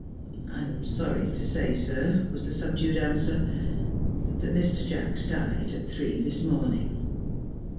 "I am sorry to say, sir," was the subdued answer, "that Mr. Jacks died at three this morning."